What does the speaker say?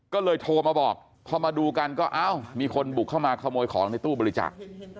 ก็เลยโทรมาบอกพอมาดูกันก็เอ้ามีคนบุกเข้ามาขโมยของในตู้บริจาค